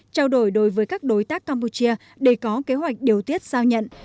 trao đổi đối với các đối tác campuchia để có kế hoạch điều tiết giao nhận